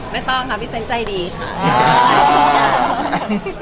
ไม่ต้องค่ะพี่เซนต์ใจดีค่ะ